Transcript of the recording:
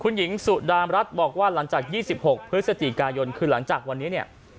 คุณหญิงสุดามรัฐบอกว่าหลังจาก๒๖พฤศจิกายนคือหลังจากวันนี้เนี่ย